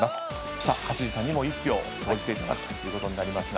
さあ勝地さんにも一票投じていただくということになりますが。